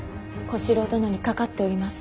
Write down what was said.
小四郎殿にかかっております。